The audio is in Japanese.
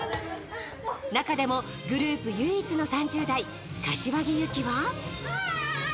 中でもグループ唯一の３０代柏木由紀は。